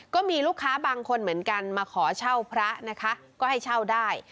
ก็มีลูกค้าบางคนเหมือนกันมาขอเช่าพระนะคะก็ให้เช่าได้